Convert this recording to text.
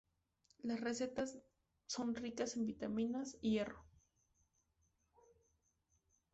Las recetas son ricas en vitaminas, hierro.